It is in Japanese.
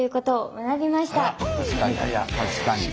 確かに。